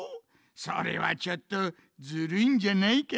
それはちょっとずるいんじゃないかい？